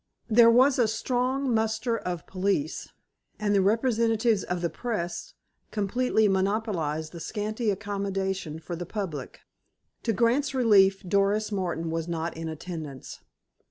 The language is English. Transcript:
There was a strong muster of police, and the representatives of the press completely monopolized the scanty accommodation for the public. To Grant's relief, Doris Martin was not in attendance.